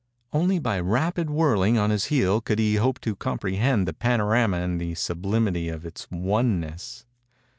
Only by a rapid whirling on his heel could he hope to comprehend the panorama in the sublimity of its oneness.